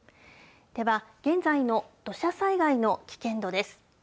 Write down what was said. では、現在の土砂災害の危険度です。